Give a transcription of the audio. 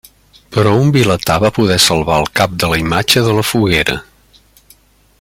Però un vilatà va poder salvar el cap de la imatge de la foguera.